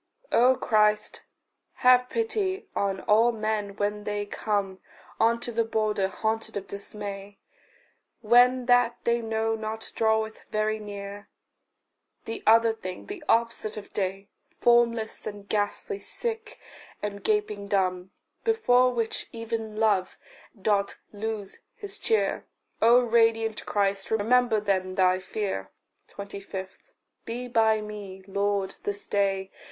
O Christ, have pity on all men when they come Unto the border haunted of dismay; When that they know not draweth very near The other thing, the opposite of day, Formless and ghastly, sick, and gaping dumb, Before which even love doth lose his cheer: O radiant Christ, remember then thy fear. 25. Be by me, Lord, this day.